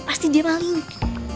pasti dia paling